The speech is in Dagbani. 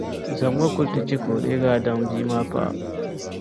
zaŋm’ o kuli nti chɛ ka o leeg’ a dan’ bia maa paɣa.